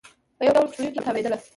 یو ډول خوشبويي په کې تاوېدله.